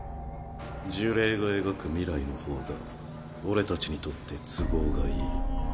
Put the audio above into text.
呪霊が描く未来の方が俺たちにとって都合がいい